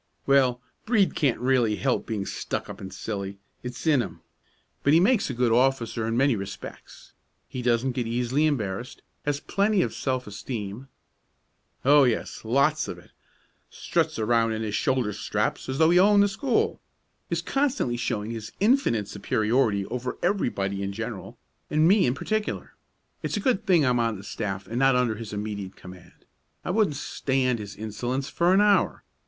"Well, Brede can't really help being stuck up and silly; it's in him. But he makes a good officer in many respects; he doesn't get easily embarrassed, has plenty of self esteem " "Oh, yes, lots of it; struts around in his shoulder straps as though he owned the school; is constantly showing his infinite superiority over everybody in general and me in particular. It's a good thing I'm on the staff and not under his immediate command. I wouldn't stand his insolence for an hour.